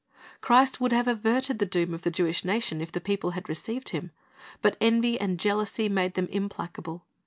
Christ would have averted the doom of the Jewish nation if the people had received Him. But envy and jealousy made them implacable.